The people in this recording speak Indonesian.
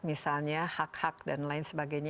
misalnya hak hak dan lain sebagainya